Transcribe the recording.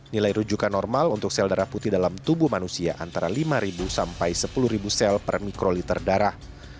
nilai rujukan normal untuk sel darah putih dalam tubuh manusia antara lima sampai sepuluh sel per mikroliter darah